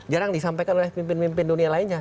jarang disampaikan oleh pemimpin pemimpin dunia lainnya